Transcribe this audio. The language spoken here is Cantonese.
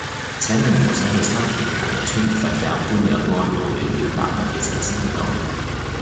請問我想去沙田排頭村佛教般若安老院要搭乜嘢車先去到